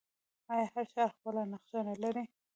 آیا هر ښار خپله نقشه نلري؟